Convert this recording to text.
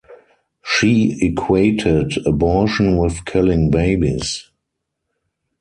She equated abortion with killing babies.